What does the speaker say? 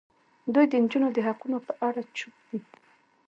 دوی د نجونو د حقونو په اړه چوپ دي.